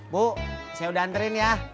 bu saya udah anterin ya